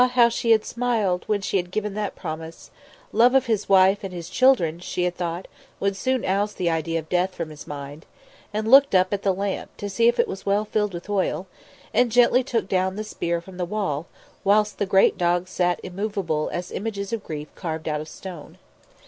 how she had smiled when she had given that promise; love of his wife and his children, she had thought, would soon oust the idea of death from his mind and looked up at the lamp, to see if it was well filled with oil, and gently took down the spear from the wall, whilst the great dogs sat immovable as images of grief carved out of stone.